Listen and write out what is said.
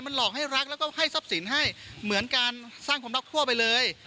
หลอกให้รักแล้วก็ให้ทรัพย์สินให้เหมือนการสร้างความรักทั่วไปเลย